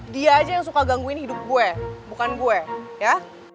dia aja yang suka gangguin hidup gue bukan gue ya